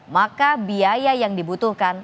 maka biaya yang dibutuhkan